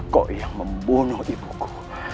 kau yang membunuh ibuku